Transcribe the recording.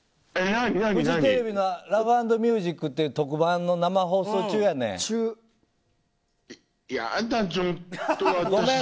フジテレビのラフ＆ミュージックっていう特番の生放送中やねん。